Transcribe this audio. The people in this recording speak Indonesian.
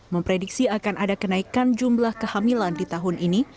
memprediksi akan ada kenaikan jumlah kehamilan di tahun ini